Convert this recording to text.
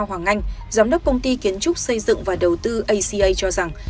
hoàng anh giám đốc công ty kiến trúc xây dựng và đầu tư aca cho rằng